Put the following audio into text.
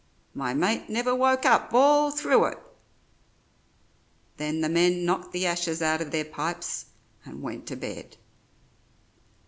"My mate never woke up all through it." Then the men knocked the ashes out of their pipes and went to bed.